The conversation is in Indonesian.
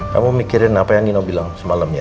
kamu mikirin apa yang nino bilang semalam ya